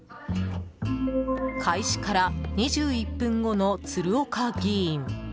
開始から２１分後の鶴岡議員。